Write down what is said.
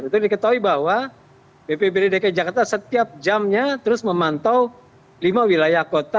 itu diketahui bahwa bpbd dki jakarta setiap jamnya terus memantau lima wilayah kota